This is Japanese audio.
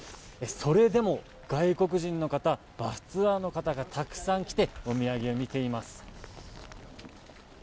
それでも外国人の方バスツアーの方がたくさん来てお土産を見ています。